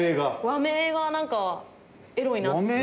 和名がなんかエロいなって。